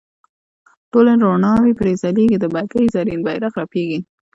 ټولې روڼاوې پرې ځلیږي د بګۍ زرین بیرغ رپیږي.